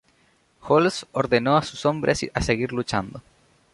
Holz ordenó a sus hombres a seguir luchando.